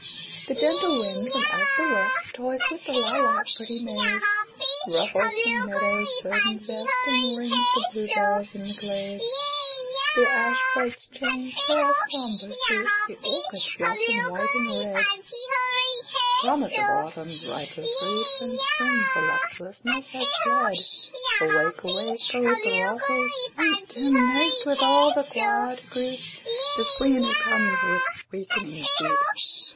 The gentle wind from out the west Toys with the lilac pretty maids; Ruffles the meadow's verdant vest, And rings the bluebells in the glades; The ash buds change their sombre suit, The orchards blossom white and red— Promise of Autumn's riper fruit, When Spring's voluptuousness has fled. Awake! awake, O throstle sweet! And haste with all your choir to greet This Queen who comes with wakening feet.